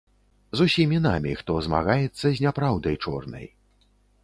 З усімі намі, хто змагаецца з няпраўдай чорнай.